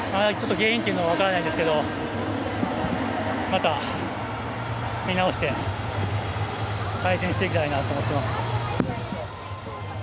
原因というのは分からないんですけどもまた見直して改善していきたいなと思ってます。